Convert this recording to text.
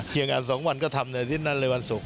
อย่างอัน๒วันก็ทำในอาทิตย์นั้นเลยวันศุกร์